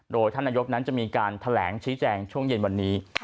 โดยท่านนายกนั้นจะมีการแถลงชี้แจงช่วงเย็นวันนี้